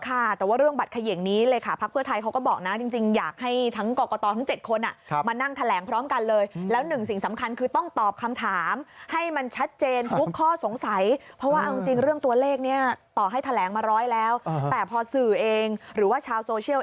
ค่ะแต่ว่าเรื่องบัตรเขย่งนี้เลขาภักษ์เพื่อไทยเขาก็บอก